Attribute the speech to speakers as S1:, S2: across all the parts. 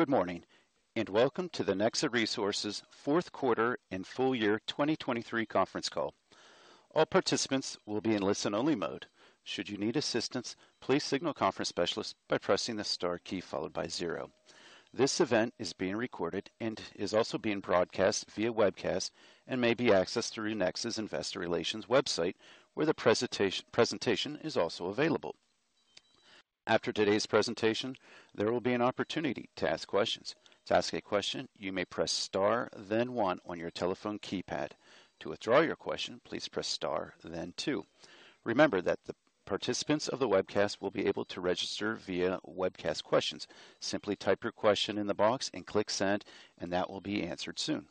S1: Good morning, and welcome to the Nexa Resources fourth quarter and full year 2023 conference call. All participants will be in listen-only mode. Should you need assistance, please signal conference specialist by pressing the star key followed by zero. This event is being recorded and is also being broadcast via webcast and may be accessed through Nexa's Investor Relations website, where the presentation is also available. After today's presentation, there will be an opportunity to ask questions. To ask a question, you may press star, then one on your telephone keypad. To withdraw your question, please press star, then two. Remember that the participants of the webcast will be able to register via webcast questions. Simply type your question in the box and click Send, and that will be answered soon.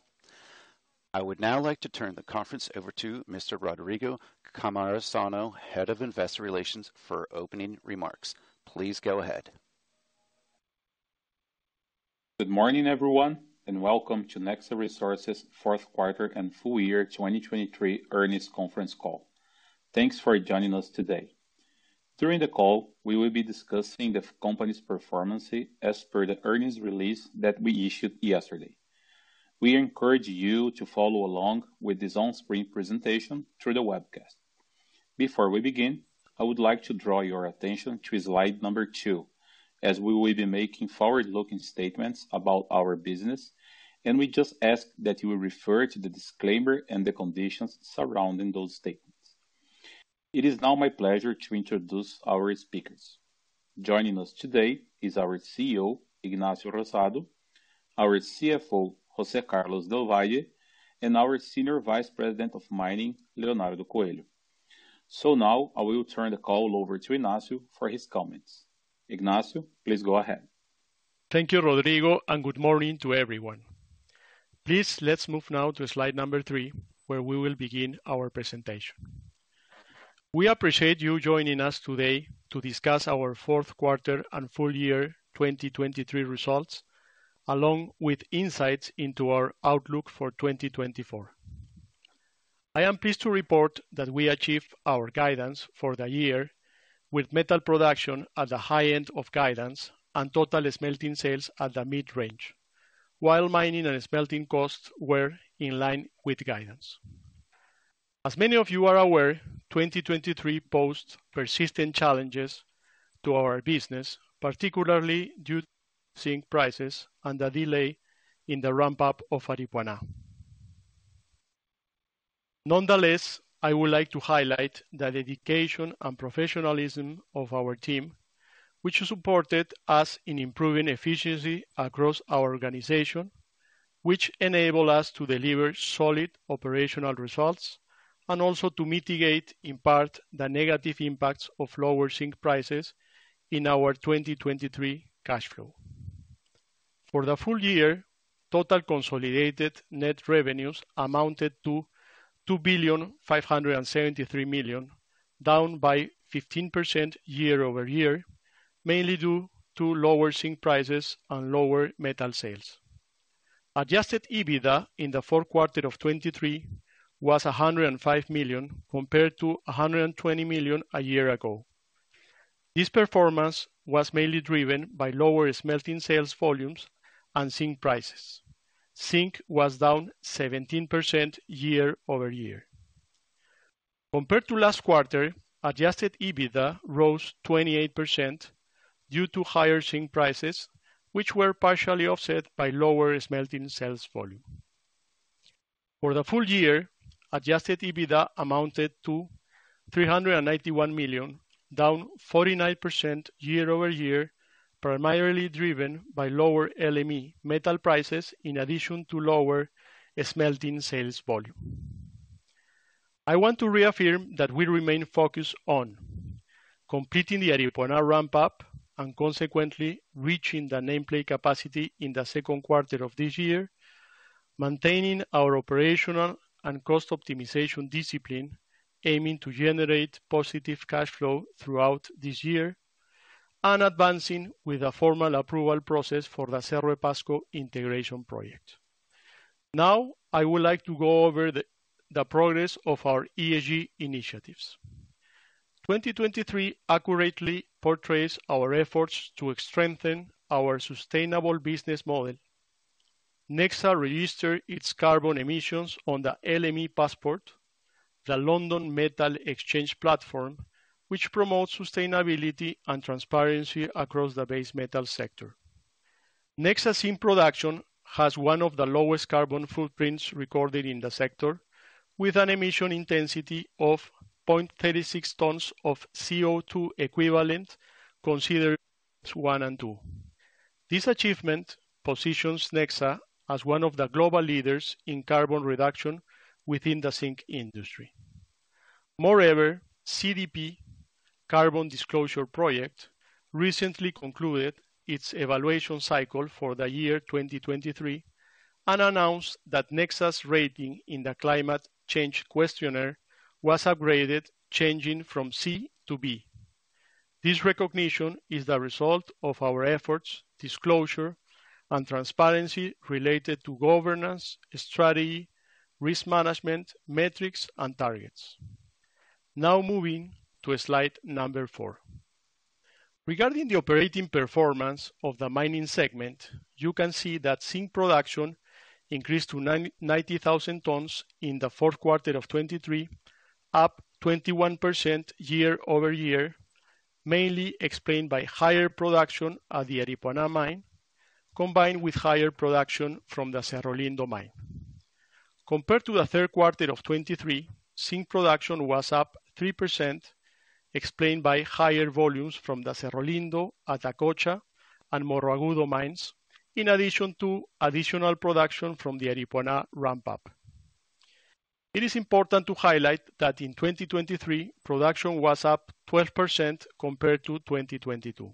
S1: I would now like to turn the conference over to Mr. Rodrigo Cammarosano, Head of Investor Relations, for opening remarks. Please go ahead.
S2: Good morning, everyone, and welcome to Nexa Resources' fourth quarter and full year 2023 earnings conference call. Thanks for joining us today. During the call, we will be discussing the company's performance as per the earnings release that we issued yesterday. We encourage you to follow along with this on-screen presentation through the webcast. Before we begin, I would like to draw your attention to slide number two, as we will be making forward-looking statements about our business, and we just ask that you refer to the disclaimer and the conditions surrounding those statements. It is now my pleasure to introduce our speakers. Joining us today is our CEO, Ignacio Rosado, our CFO, José Carlos del Valle, and our Senior Vice President of Mining, Leonardo Coelho. So now I will turn the call over to Ignacio for his comments. Ignacio, please go ahead.
S3: Thank you, Rodrigo, and good morning to everyone. Please, let's move now to slide number three, where we will begin our presentation. We appreciate you joining us today to discuss our fourth quarter and full year 2023 results, along with insights into our outlook for 2024. I am pleased to report that we achieved our guidance for the year with metal production at the high end of guidance and total smelting sales at the mid-range, while mining and smelting costs were in line with guidance. As many of you are aware, 2023 posed persistent challenges to our business, particularly due to zinc prices and the delay in the ramp-up of Aripuanã. Nonetheless, I would like to highlight the dedication and professionalism of our team, which supported us in improving efficiency across our organization, which enabled us to deliver solid operational results and also to mitigate, in part, the negative impacts of lower zinc prices in our 2023 cash flow. For the full year, total consolidated net revenues amounted to $2,573 million, down by 15% year-over-year, mainly due to lower zinc prices and lower metal sales. Adjusted EBITDA in the fourth quarter of 2023 was $105 million, compared to $120 million a year ago. This performance was mainly driven by lower smelting sales volumes and zinc prices. Zinc was down 17% year-over-year. Compared to last quarter, Adjusted EBITDA rose 28% due to higher zinc prices, which were partially offset by lower smelting sales volume. For the full year, Adjusted EBITDA amounted to $391 million, down 49% year-over-year, primarily driven by lower LME metal prices in addition to lower smelting sales volume. I want to reaffirm that we remain focused on completing the Aripuanã ramp-up and consequently reaching the nameplate capacity in the second quarter of this year, maintaining our operational and cost optimization discipline, aiming to generate positive cash flow throughout this year, and advancing with the formal approval process for the Cerro Pasco Integration Project. Now, I would like to go over the progress of our ESG initiatives. 2023 accurately portrays our efforts to strengthen our sustainable business model. Nexa registered its carbon emissions on the LME Passport, the London Metal Exchange platform, which promotes sustainability and transparency across the base metal sector. Nexa zinc production has one of the lowest carbon footprints recorded in the sector, with an emission intensity of 0.36 tons of CO₂ equivalent, considering Scopes 1 and 2. This achievement positions Nexa as one of the global leaders in carbon reduction within the zinc industry. Moreover, CDP, Carbon Disclosure Project, recently concluded its evaluation cycle for the year 2023 and announced that Nexa's rating in the Climate Change Questionnaire was upgraded, changing from C to B. This recognition is the result of our efforts, disclosure, and transparency related to governance, strategy, risk management, metrics, and targets.... Now moving to slide number four. Regarding the operating performance of the mining segment, you can see that zinc production increased to 99,000 tons in the fourth quarter of 2023, up 21% year-over-year, mainly explained by higher production at the Aripuanã mine, combined with higher production from the Cerro Lindo mine. Compared to the third quarter of 2023, zinc production was up 3%, explained by higher volumes from the Cerro Lindo, Atacocha, and Morro Agudo mines, in addition to additional production from the Aripuanã ramp-up. It is important to highlight that in 2023, production was up 12% compared to 2022.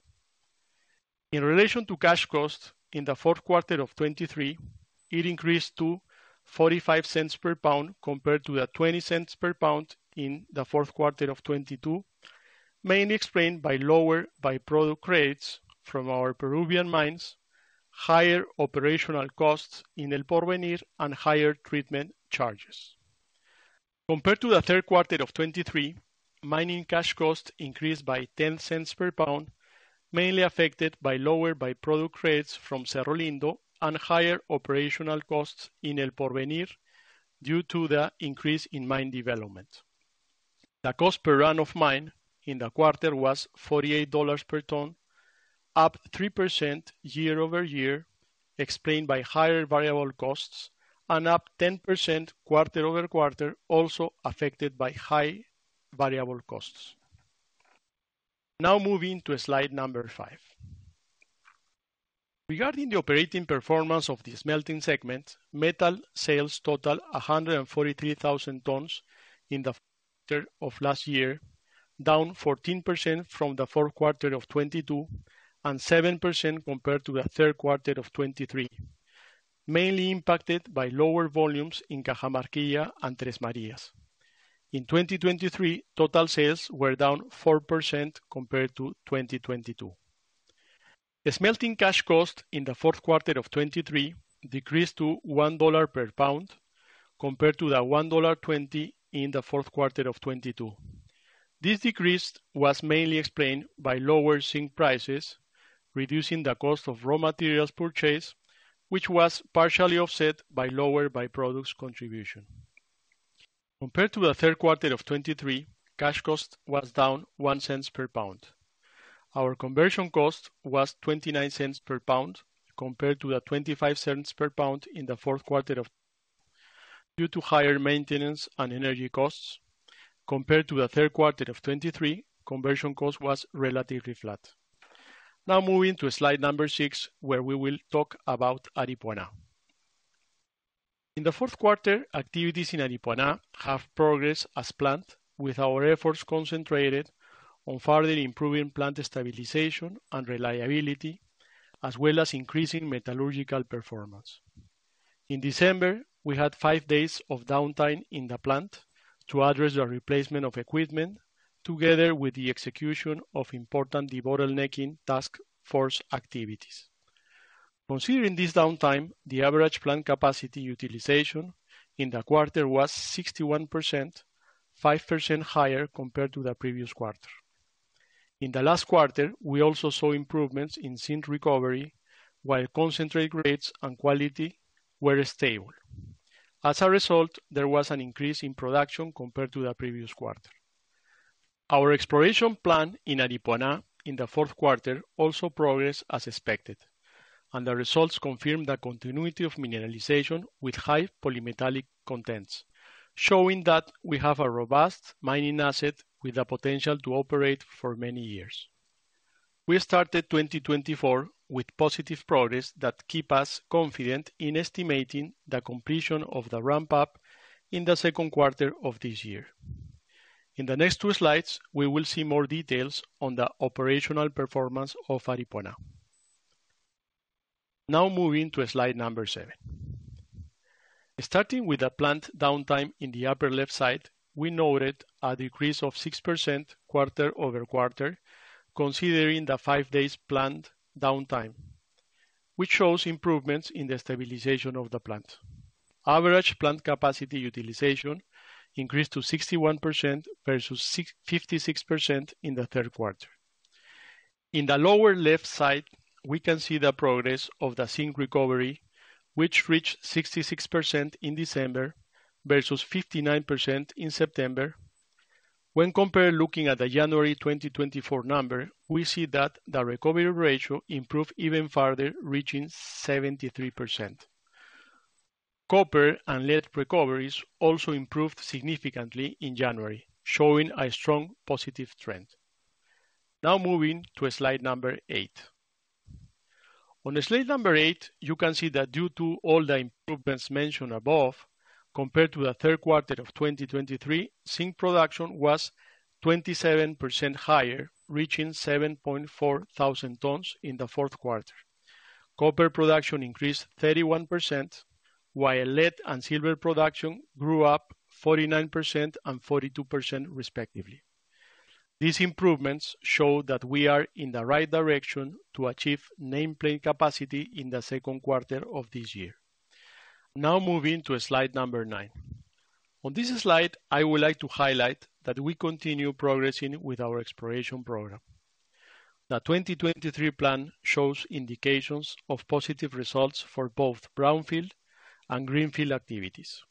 S3: In relation to cash costs in the fourth quarter of 2023, it increased to $0.45 per pound, compared to the $0.20 per pound in the fourth quarter of 2022, mainly explained by lower by-product grades from our Peruvian mines, higher operational costs in El Porvenir, and higher treatment charges. Compared to the third quarter of 2023, mining cash costs increased by $0.10 per pound, mainly affected by lower by-product grades from Cerro Lindo and higher operational costs in El Porvenir, due to the increase in mine development. The cost per run of mine in the quarter was $48 per ton, up 3% year-over-year, explained by higher variable costs, and up 10% quarter-over-quarter, also affected by high variable costs. Now moving to slide number five. Regarding the operating performance of the smelting segment, metal sales totaled 143,000 tons in the quarter of last year, down 14% from the fourth quarter of 2022, and 7% compared to the third quarter of 2023, mainly impacted by lower volumes in Cajamarquilla and Três Marias. In 2023, total sales were down 4% compared to 2022. The smelting cash cost in the fourth quarter of 2023 decreased to $1 per pound, compared to the $1.20 in the fourth quarter of 2022. This decrease was mainly explained by lower zinc prices, reducing the cost of raw materials purchased, which was partially offset by lower by-products contribution. Compared to the third quarter of 2023, cash cost was down $0.01 per pound. Our conversion cost was $0.29 per pound, compared to the $0.25 per pound in the fourth quarter of 2023, due to higher maintenance and energy costs. Compared to the third quarter of 2023, conversion cost was relatively flat. Now, moving to slide number six, where we will talk about Aripuanã. In the fourth quarter, activities in Aripuanã have progressed as planned, with our efforts concentrated on further improving plant stabilization and reliability, as well as increasing metallurgical performance. In December, we had five days of downtime in the plant to address the replacement of equipment, together with the execution of important debottlenecking task force activities. Considering this downtime, the average plant capacity utilization in the quarter was 61%, 5% higher compared to the previous quarter. In the last quarter, we also saw improvements in zinc recovery, while concentrate grades and quality were stable. As a result, there was an increase in production compared to the previous quarter. Our exploration plan in Aripuanã in the fourth quarter also progressed as expected, and the results confirm the continuity of mineralization with high polymetallic contents, showing that we have a robust mining asset with the potential to operate for many years. We started 2024 with positive progress that keep us confident in estimating the completion of the ramp-up in the second quarter of this year. In the next two slides, we will see more details on the operational performance of Aripuanã. Now, moving to slide number seven. Starting with the plant downtime in the upper left side, we noted a decrease of 6% quarter-over-quarter, considering the five days plant downtime, which shows improvements in the stabilization of the plant. Average plant capacity utilization increased to 61% versus 56% in the third quarter. In the lower left side, we can see the progress of the zinc recovery, which reached 66% in December versus 59% in September. When compared, looking at the January 2024 number, we see that the recovery ratio improved even further, reaching 73%. Copper and lead recoveries also improved significantly in January, showing a strong positive trend. Now, moving to slide eight. On slide eight, you can see that due to all the improvements mentioned above, compared to the third quarter of 2023, zinc production was 27% higher, reaching 7,400 tons in the fourth quarter. Copper production increased 31%, while lead and silver production grew up 49% and 42%, respectively.... These improvements show that we are in the right direction to achieve nameplate capacity in the second quarter of this year. Now moving to slide nine. On this slide, I would like to highlight that we continue progressing with our exploration program. The 2023 plan shows indications of positive results for both brownfield and greenfield activities.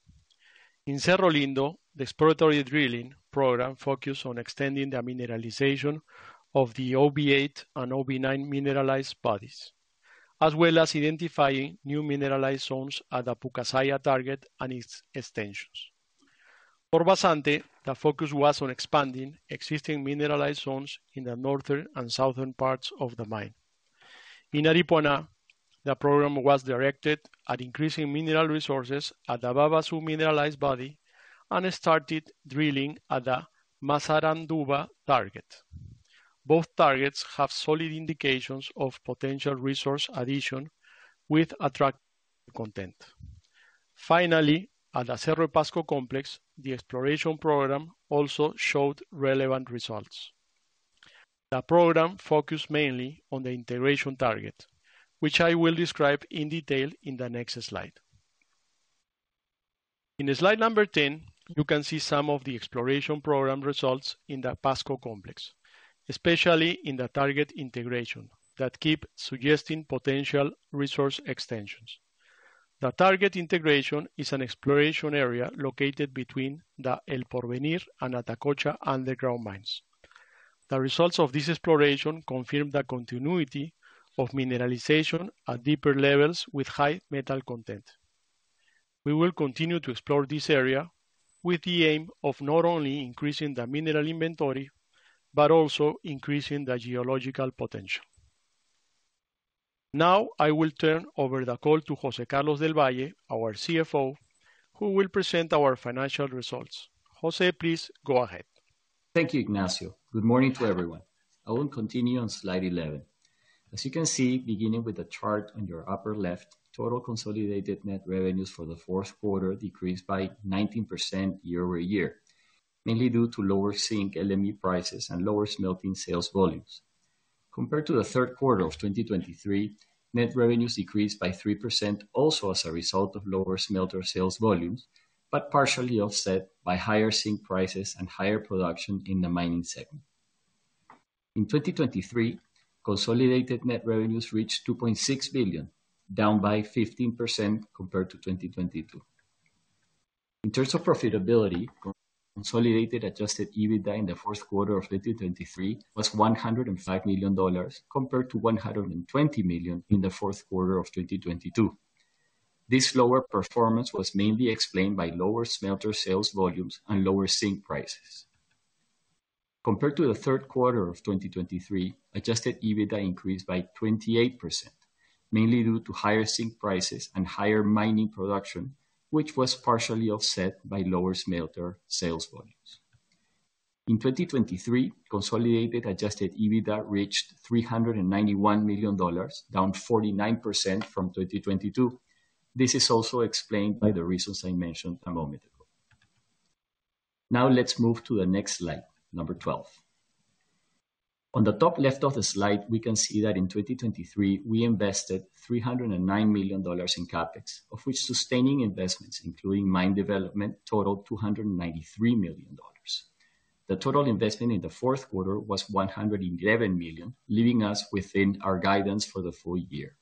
S3: In Cerro Lindo, the exploratory drilling program focused on extending the mineralization of the OB-8 and OB-9 mineralized bodies, as well as identifying new mineralized zones at the Pucasalla target and its extensions. For Vazante, the focus was on expanding existing mineralized zones in the northern and southern parts of the mine. In Aripuanã, the program was directed at increasing mineral resources at the Babaçu mineralized body and started drilling at the Massaranduba target. Both targets have solid indications of potential resource addition with attractive content. Finally, at the Cerro Pasco Complex, the exploration program also showed relevant results. The program focused mainly on the Integration target, which I will describe in detail in the next slide. In slide number 10, you can see some of the exploration program results in the Cerro Pasco Complex, especially in the target Integration, that keep suggesting potential resource extensions. The target Integration is an exploration area located between the El Porvenir and Atacocha underground mines. The results of this exploration confirm the continuity of mineralization at deeper levels with high metal content. We will continue to explore this area with the aim of not only increasing the mineral inventory, but also increasing the geological potential. Now, I will turn over the call to José Carlos del Valle, our CFO, who will present our financial results. José, please go ahead.
S4: Thank you, Ignacio. Good morning to everyone. I will continue on slide 11. As you can see, beginning with the chart on your upper left, total consolidated net revenues for the fourth quarter decreased by 19% year-over-year, mainly due to lower zinc LME prices and lower smelting sales volumes. Compared to the third quarter of 2023, net revenues decreased by 3%, also as a result of lower smelter sales volumes, but partially offset by higher zinc prices and higher production in the mining segment. In 2023, consolidated net revenues reached $2.6 billion, down by 15% compared to 2022. In terms of profitability, consolidated adjusted EBITDA in the fourth quarter of 2023 was $105 million, compared to $120 million in the fourth quarter of 2022. This lower performance was mainly explained by lower smelter sales volumes and lower zinc prices. Compared to the third quarter of 2023, Adjusted EBITDA increased by 28%, mainly due to higher zinc prices and higher mining production, which was partially offset by lower smelter sales volumes. In 2023, consolidated Adjusted EBITDA reached $391 million, down 49% from 2022. This is also explained by the reasons I mentioned a moment ago. Now, let's move to the next slide, number 12. On the top left of the slide, we can see that in 2023, we invested $309 million in CapEx, of which sustaining investments, including mine development, totaled $293 million. The total investment in the fourth quarter was $111 million, leaving us within our guidance for the full year.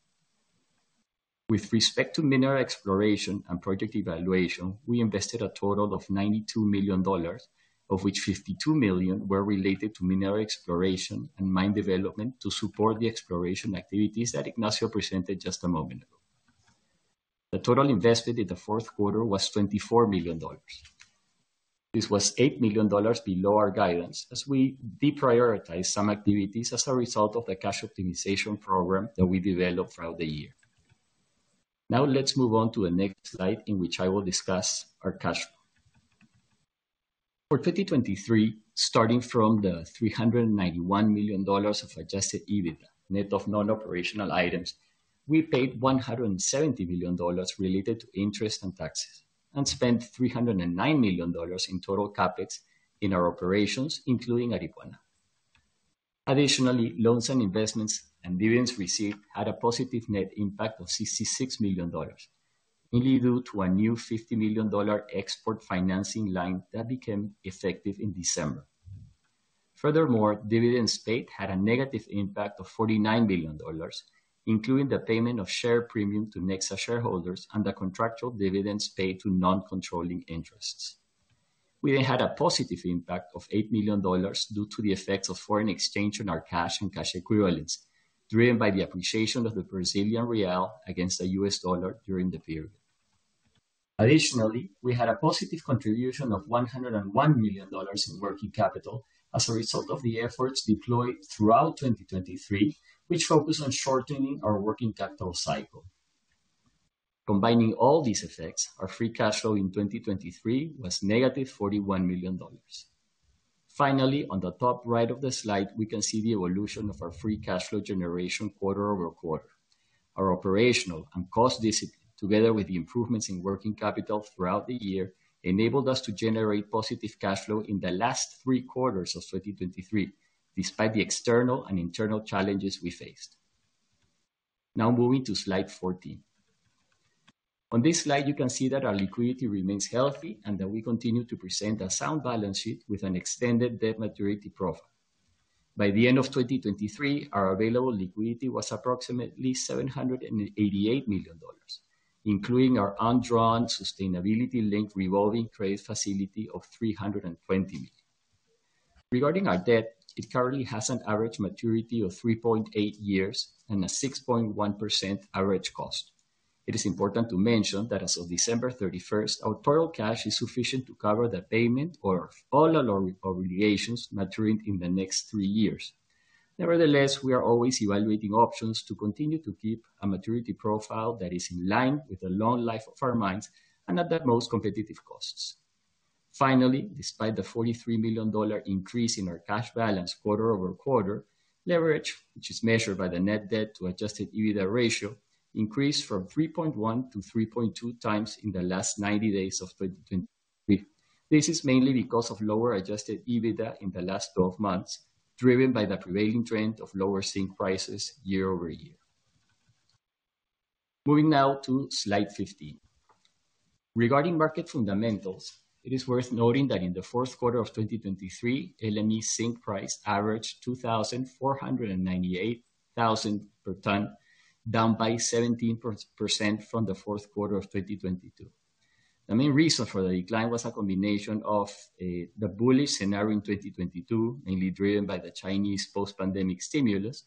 S4: With respect to mineral exploration and project evaluation, we invested a total of $92 million, of which $52 million were related to mineral exploration and mine development to support the exploration activities that Ignacio presented just a moment ago. The total investment in the fourth quarter was $24 million. This was $8 million below our guidance, as we deprioritized some activities as a result of the cash optimization program that we developed throughout the year. Now, let's move on to the next slide, in which I will discuss our cash flow. For 2023, starting from the $391 million of Adjusted EBITDA, net of non-operational items, we paid $170 million related to interest and taxes, and spent $309 million in total CapEx in our operations, including Aripuanã. Additionally, loans and investments and dividends received had a positive net impact of $66 million, mainly due to a new $50 million export financing line that became effective in December. Furthermore, dividends paid had a negative impact of $49 million, including the payment of share premium to Nexa shareholders and the contractual dividends paid to non-controlling interests. We then had a positive impact of $8 million due to the effects of foreign exchange on our cash and cash equivalents, driven by the appreciation of the Brazilian Real against the US dollar during the period. Additionally, we had a positive contribution of $101 million in working capital as a result of the efforts deployed throughout 2023, which focused on shortening our working capital cycle. Combining all these effects, our free cash flow in 2023 was negative $41 million. Finally, on the top right of the slide, we can see the evolution of our free cash flow generation quarter over quarter. Our operational and cost discipline, together with the improvements in working capital throughout the year, enabled us to generate positive cash flow in the last three quarters of 2023, despite the external and internal challenges we faced. Now moving to slide 14. On this slide, you can see that our liquidity remains healthy and that we continue to present a sound balance sheet with an extended debt maturity profile. By the end of 2023, our available liquidity was approximately $788 million, including our undrawn sustainability-linked revolving trade facility of $320 million. Regarding our debt, it currently has an average maturity of 3.8 years and a 6.1% average cost. It is important to mention that as of December 31st, our total cash is sufficient to cover the payment or all our obligations maturing in the next three years. Nevertheless, we are always evaluating options to continue to keep a maturity profile that is in line with the long life of our mines and at the most competitive costs. Finally, despite the $43 million increase in our cash balance quarter-over-quarter, leverage, which is measured by the net debt to adjusted EBITDA ratio, increased from 3.1x to 3.2x in the last 90 days of 2023. This is mainly because of lower adjusted EBITDA in the last 12 months, driven by the prevailing trend of lower zinc prices year-over-year. Moving now to slide 15. Regarding market fundamentals, it is worth noting that in the fourth quarter of 2023, LME zinc price averaged $2,498 per ton, down by 17% from the fourth quarter of 2022. The main reason for the decline was a combination of the bullish scenario in 2022, mainly driven by the Chinese post-pandemic stimulus,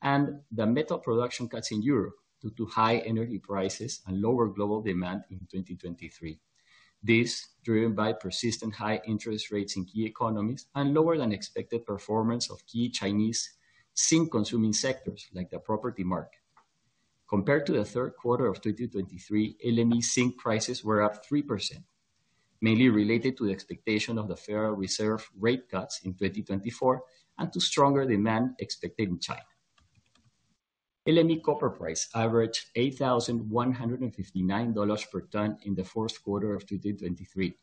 S4: and the metal production cuts in Europe due to high energy prices and lower global demand in 2023. This, driven by persistent high interest rates in key economies and lower than expected performance of key Chinese zinc-consuming sectors, like the property market. Compared to the third quarter of 2023, LME zinc prices were up 3%, mainly related to the expectation of the Federal Reserve rate cuts in 2024 and to stronger demand expected in China. LME copper price averaged $8,159 per ton in the fourth quarter of 2023,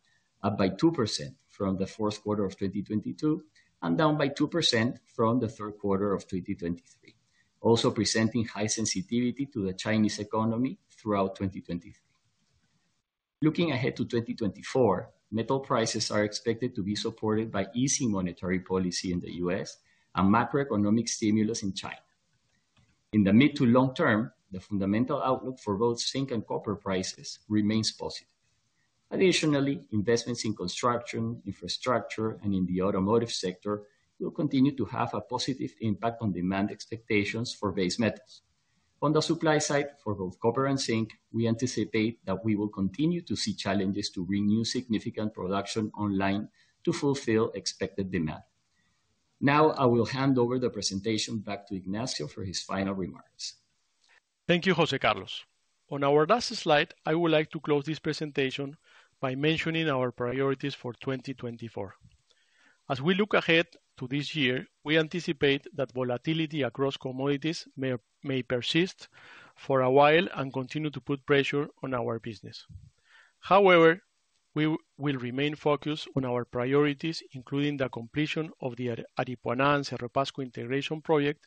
S4: up by 2% from the fourth quarter of 2022, and down by 2% from the third quarter of 2023, also presenting high sensitivity to the Chinese economy throughout 2023. Looking ahead to 2024, metal prices are expected to be supported by easy monetary policy in the US and macroeconomic stimulus in China. In the mid to long term, the fundamental outlook for both zinc and copper prices remains positive. Additionally, investments in construction, infrastructure, and in the automotive sector will continue to have a positive impact on demand expectations for base metals. On the supply side, for both copper and zinc, we anticipate that we will continue to see challenges to bring new significant production online to fulfill expected demand. Now, I will hand over the presentation back to Ignacio for his final remarks.
S3: Thank you, José Carlos. On our last slide, I would like to close this presentation by mentioning our priorities for 2024. As we look ahead to this year, we anticipate that volatility across commodities may persist for a while and continue to put pressure on our business. However, we will remain focused on our priorities, including the completion of the Aripuanã, Cerro Pasco Integration Project,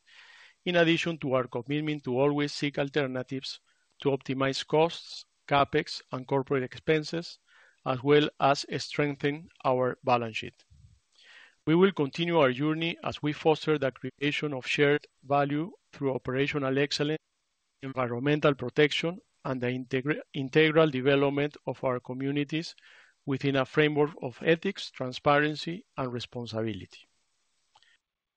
S3: in addition to our commitment to always seek alternatives to optimize costs, CapEx, and corporate expenses, as well as strengthen our balance sheet. We will continue our journey as we foster the creation of shared value through operational excellence, environmental protection, and the integral development of our communities within a framework of ethics, transparency, and responsibility.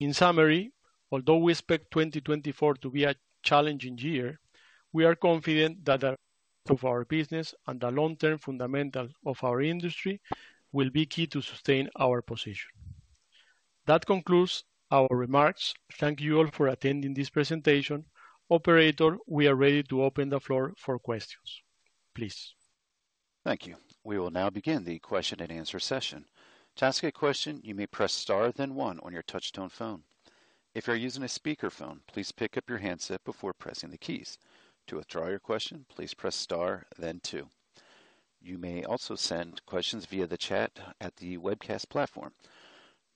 S3: In summary, although we expect 2024 to be a challenging year, we are confident that our business and the long-term fundamentals of our industry will be key to sustain our position. That concludes our remarks. Thank you all for attending this presentation. Operator, we are ready to open the floor for questions. Please.
S1: Thank you. We will now begin the question and answer session. To ask a question, you may press star, then one on your touchtone phone. If you are using a speakerphone, please pick up your handset before pressing the keys. To withdraw your question, please press star then two. You may also send questions via the chat at the webcast platform.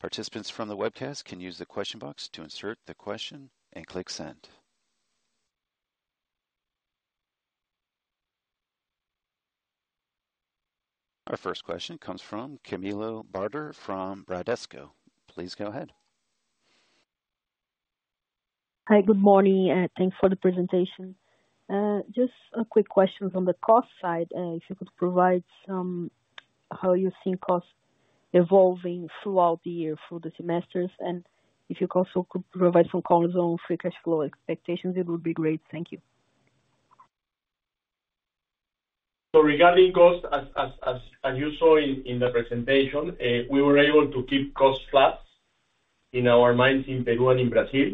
S1: Participants from the webcast can use the question box to insert the question and click Send. Our first question comes from Camilla Barter from Bradesco. Please go ahead.
S5: Hi, good morning, thanks for the presentation. Just a quick question from the cost side, if you could provide some... How you see costs evolving throughout the year for the semesters, and if you also could provide some colors on free cash flow expectations, it would be great. Thank you.
S3: So regarding cost, as you saw in the presentation, we were able to keep costs flat in our mines in Peru and in Brazil.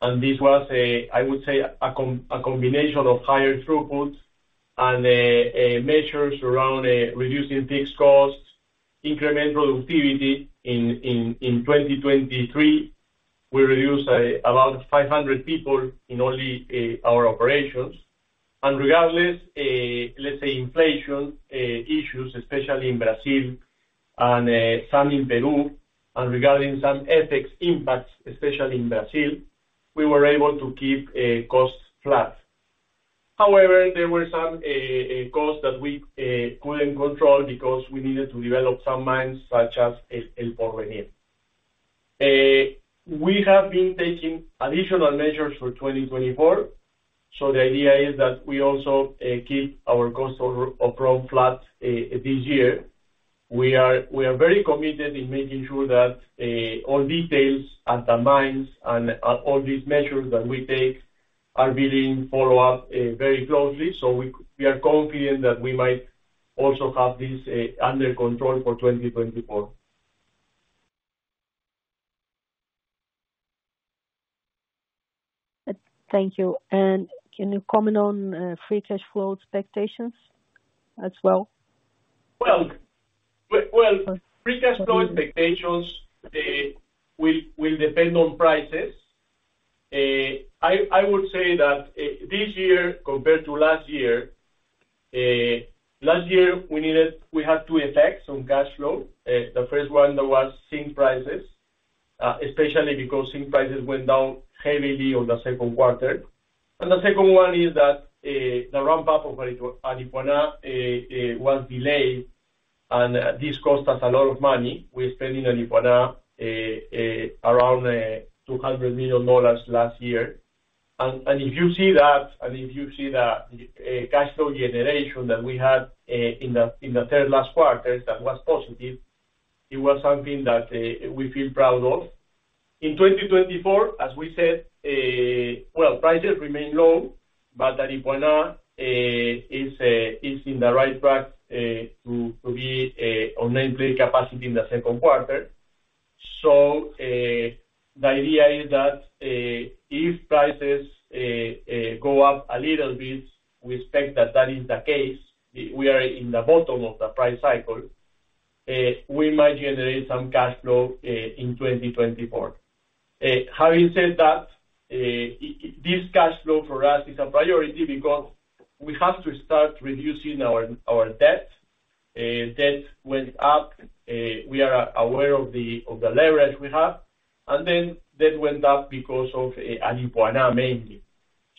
S3: And this was, I would say, a combination of higher throughputs and measures around reducing fixed costs and increasing productivity. In 2023, we reduced about 500 people in only our operations. And regardless, let's say, inflation issues, especially in Brazil and some in Peru, and regarding some FX impacts, especially in Brazil, we were able to keep costs flat. However, there were some costs that we couldn't control because we needed to develop some mines, such as El Porvenir. We have been taking additional measures for 2024, so the idea is that we also keep our costs flat this year. We are very committed in making sure that all details at the mines and at all these measures that we take are being followed up very closely. So we are confident that we might also have this under control for 2024.
S5: Thank you. And can you comment on free cash flow expectations as well?
S3: Well, well, well, free cash flow expectations will depend on prices. I would say that this year compared to last year, last year we had two effects on cash flow. The first one was zinc prices, especially because zinc prices went down heavily in the second quarter. And the second one is that the ramp-up of Aripuanã was delayed, and this cost us a lot of money. We spent in Aripuanã around $200 million last year. And if you see that, and if you see the cash flow generation that we had in the third last quarter, that was positive, it was something that we feel proud of. In 2024, as we said, well, prices remain low, but Aripuanã is in the right track to be on nameplate capacity in the second quarter. So, the idea is that if prices go up a little bit, we expect that that is the case, we are in the bottom of the price cycle, we might generate some cash flow in 2024. Having said that, this cash flow for us is a priority because we have to start reducing our debt. Debt went up, we are aware of the leverage we have, and then debt went up because of Aripuanã, mainly.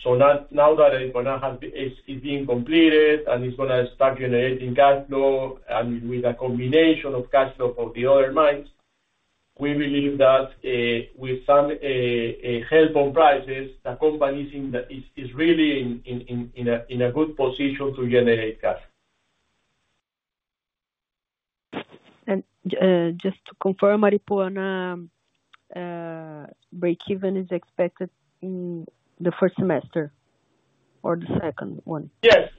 S3: So now that Aripuanã is being completed, and it's gonna start generating cash flow, and with a combination of cash flow from the other mines, we believe that with some help on prices, the company is really in a good position to generate cash.
S5: Just to confirm, Aripuanã breakeven is expected in the first semester or the second one?
S3: Yes.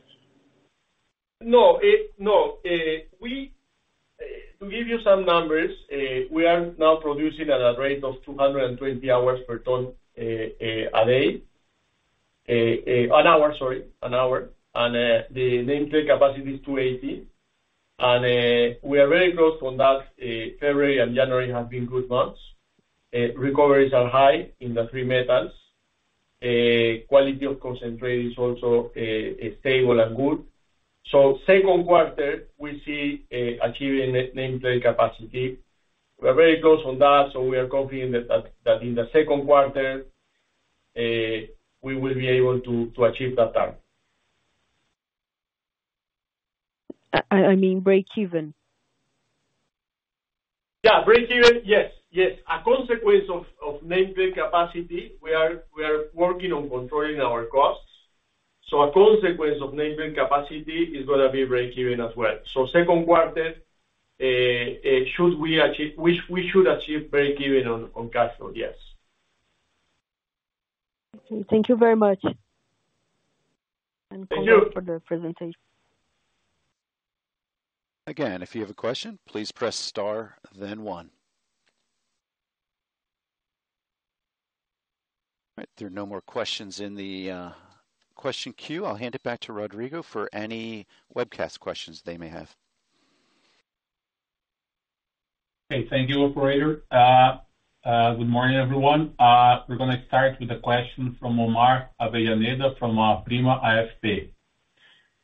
S3: No, no. We, to give you some numbers, we are now producing at a rate of 220 hours per ton, a day, an hour, sorry, an hour. And, the nameplate capacity is 280. And, we are very close on that, February and January have been good months. Recoveries are high in the three metals. Quality of concentrate is also, stable and good. So second quarter, we see, achieving nameplate capacity. We're very close on that, so we are confident that, that, that in the second quarter, we will be able to, to achieve that target.
S5: I mean, breakeven.
S3: Yeah, breakeven. Yes, yes. A consequence of nameplate capacity, we are working on controlling our costs. So a consequence of nameplate capacity is gonna be breakeven as well. So second quarter, we should achieve breakeven on cash flow, yes.
S5: Okay. Thank you very much.
S3: Thank you!
S5: Thank you for the presentation.
S1: Again, if you have a question, please press star, then one. All right, there are no more questions in the question queue. I'll hand it back to Rodrigo for any webcast questions they may have.
S2: Okay. Thank you, operator. Good morning, everyone. We're gonna start with a question from Omar Avellaneda, from Prima AFP.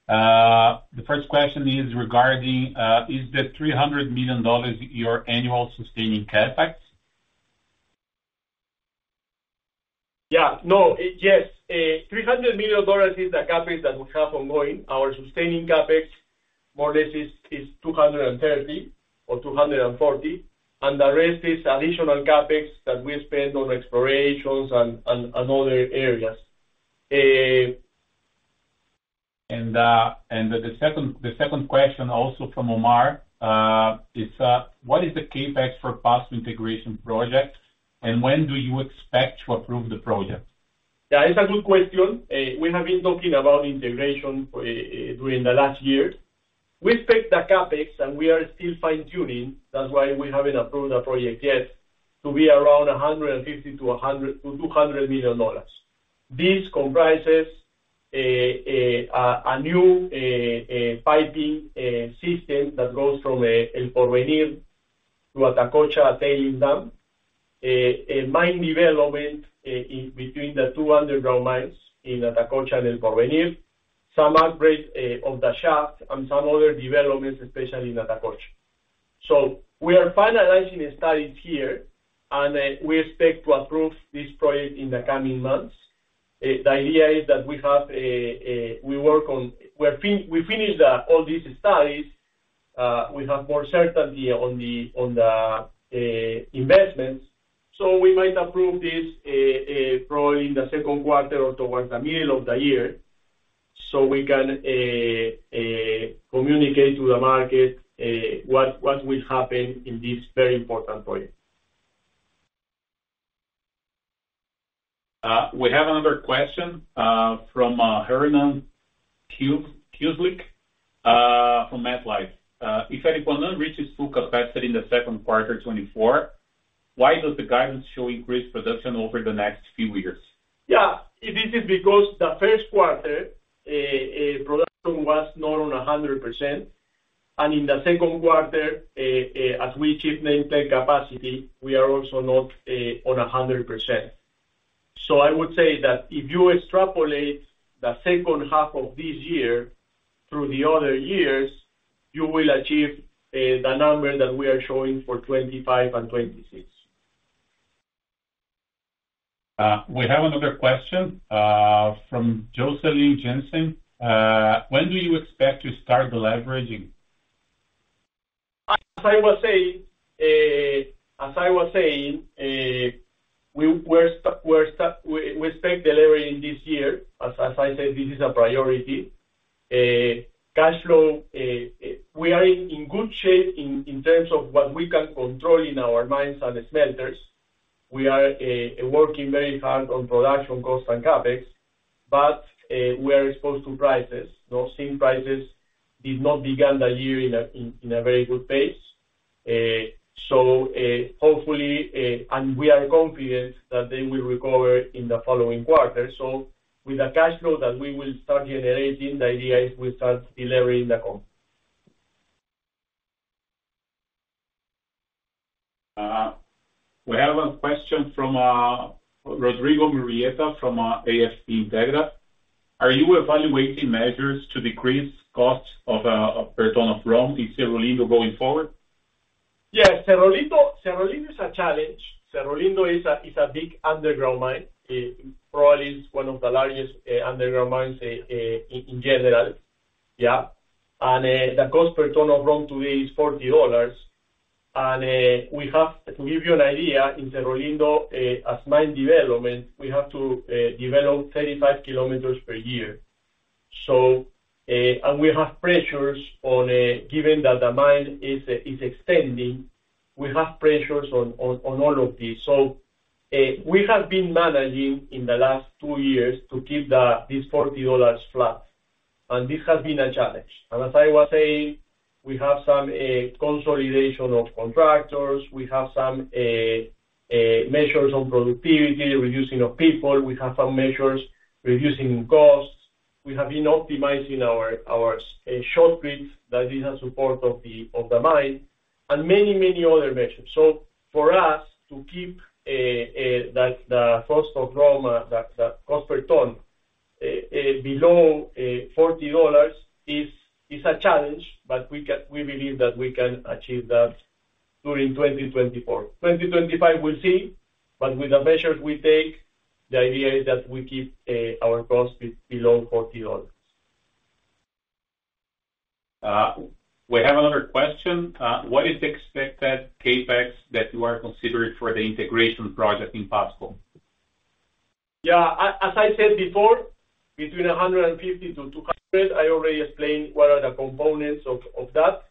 S2: The first question is regarding, "Is the $300 million your annual sustaining CapEx?
S3: Yeah. No. Yes, $300 million is the CapEx that we have ongoing. Our sustaining CapEx, more or less, is 230 or 240, and the rest is additional CapEx that we spend on explorations and other areas.
S2: The second question, also from Omar, is, "What is the CapEx for Pasco Integration Project, and when do you expect to approve the project?
S3: Yeah, it's a good question. We have been talking about integration during the last year. We expect the CapEx, and we are still fine-tuning that's why we haven't approved the project yet, to be around $150 million to $200 million. This comprises a new piping system that goes from El Porvenir to Atacocha tailings dam. A mine development in between the two underground mines in Atacocha and El Porvenir. Some upgrades of the shaft and some other developments, especially in Atacocha. So we are finalizing the studies here, and we expect to approve this project in the coming months. The idea is that we finish all these studies, we have more certainty on the investments. We might approve this, probably in the second quarter or towards the middle of the year, so we can communicate to the market what will happen in this very important project.
S2: We have another question from Hernán Kisluk from MetLife. If Aripuanã reaches full capacity in the second quarter 2024, why does the guidance show increased production over the next few years?
S3: Yeah, this is because the first quarter production was not on 100%, and in the second quarter, as we achieve nameplate capacity, we are also not on 100%. So I would say that if you extrapolate the second half of this year through the other years, you will achieve the number that we are showing for 2025 and 2026.
S2: We have another question from Joseline Jensen: When do you expect to start deleveraging?
S3: As I was saying, we expect deleveraging this year. As I said, this is a priority. Cash flow, we are in good shape in terms of what we can control in our mines and smelters. We are working very hard on production costs and CapEx, but we are exposed to prices. Those same prices did not begin the year in a very good pace. So, hopefully, and we are confident that they will recover in the following quarter. So with the cash flow that we will start generating, the idea is we start deleveraging the company.
S2: We have a question from Rodrigo Murrieta, from AFP Integra: Are you evaluating measures to decrease costs of per ton of ROM in Cerro Lindo going forward?
S3: Yes. Cerro Lindo, Cerro Lindo is a challenge. Cerro Lindo is a big underground mine. Probably it's one of the largest underground mines in general. The cost per ton of ROM today is $40. To give you an idea, in Cerro Lindo, as mine development, we have to develop 35 km per year. We have pressures on, given that the mine is extending, we have pressures on all of this. We have been managing in the last 2 years to keep this $40 flat, and this has been a challenge. As I was saying, we have some consolidation of contractors. We have some measures on productivity, reducing of people. We have some measures, reducing costs. We have been optimizing our shotcrete that is in support of the mine, and many other measures. So for us to keep the cost of ROM, the cost per ton below $40 is a challenge, but we believe that we can achieve that during 2024. 2025, we'll see, but with the measures we take, the idea is that we keep our costs below $40.
S2: We have another question: What is the expected CapEx that you are considering for the integration project in Pasco?
S3: Yeah, as I said before, between $150 million to $200 million. I already explained what are the components of that.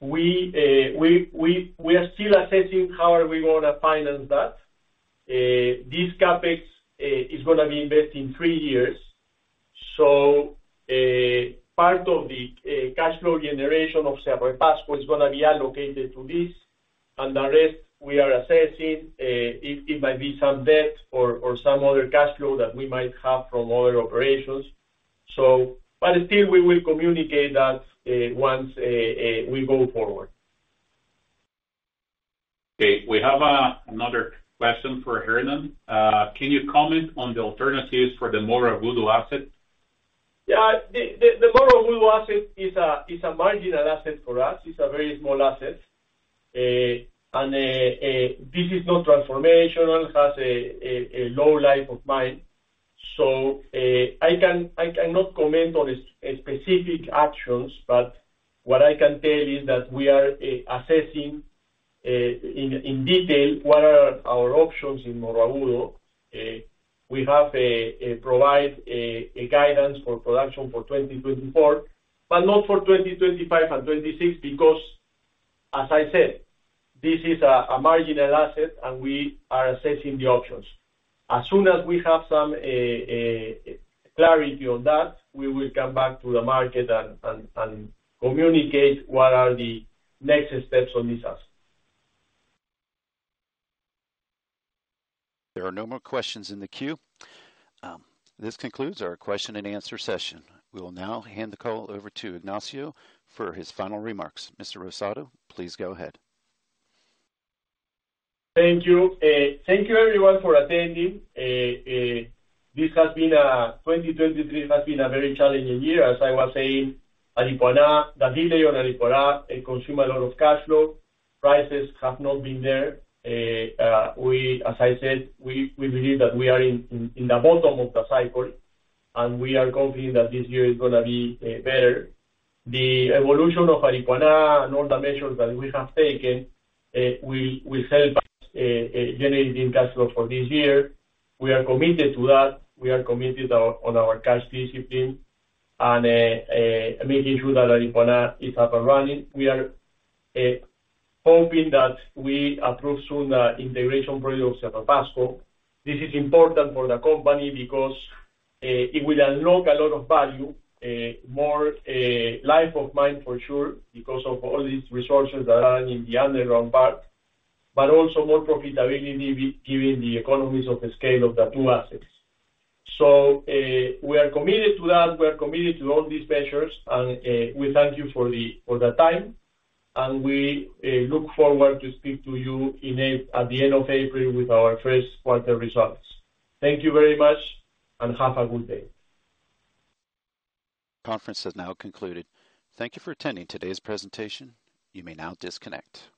S3: We are still assessing how are we gonna finance that. This CapEx is gonna be invested in three years. So, part of the cash flow generation of Cerro Pasco is gonna be allocated to this, and the rest we are assessing, it might be some debt or some other cash flow that we might have from other operations. But still, we will communicate that once we go forward.
S2: Okay, we have another question for Hernán. Can you comment on the alternatives for the Morro Agudo asset?
S3: Yeah, the Morro Agudo asset is a marginal asset for us. It's a very small asset. And this is not transformational, has a low life of mine. So, I cannot comment on the specific actions, but what I can tell you is that we are assessing in detail what are our options in Morro Agudo. We have provided a guidance for production for 2024, but not for 2025 and 2026, because, as I said, this is a marginal asset, and we are assessing the options. As soon as we have some clarity on that, we will come back to the market and communicate what are the next steps on this asset.
S1: There are no more questions in the queue. This concludes our question and answer session. We will now hand the call over to Ignacio for his final remarks. Mr. Rosado, please go ahead.
S3: Thank you. Thank you everyone for attending. 2023 has been a very challenging year. As I was saying, Aripuanã, the delay on Aripuanã, it consumed a lot of cash flow. Prices have not been there. As I said, we believe that we are in the bottom of the cycle, and we are confident that this year is gonna be better. The evolution of Aripuanã and all the measures that we have taken will help us generating cash flow for this year. We are committed to that. We are committed on our cash discipline and making sure that Aripuanã is up and running. We are hoping that we approve soon the integration project of Cerro Pasco. This is important for the company because it will unlock a lot of value, more life of mine for sure, because of all these resources that are in the underground part, but also more profitability, given the economies of scale of the two assets. So, we are committed to that. We are committed to all these measures, and we thank you for the time, and we look forward to speak to you in April at the end of April with our first quarter results. Thank you very much, and have a good day.
S1: Conference has now concluded. Thank you for attending today's presentation. You may now disconnect.